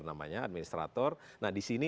namanya administrator nah di sini